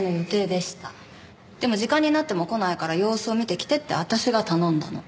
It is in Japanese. でも時間になっても来ないから様子を見てきてって私が頼んだの。